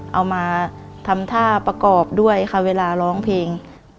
เอามาทำท่าประกอบด้วยค่ะเวลาร้องเพลง